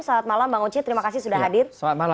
selamat malam bang oce terima kasih sudah hadir